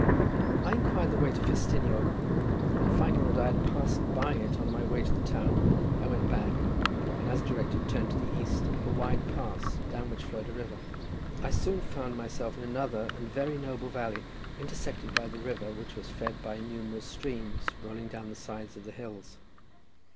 I inquired the way to Festiniog, and finding that I had passed by it on my way to the town, I went back, and, as directed, turned to the east up a wide pass, down which flowed a river. I soon found myself in another and very noble valley intersected by the river, which was fed by numerous streams rolling down the sides of the hills.